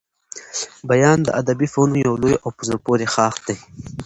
بیان د ادبي فنونو يو لوی او په زړه پوري ښاخ دئ.